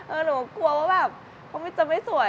หนูกลัวว่าแบบจะไม่สวย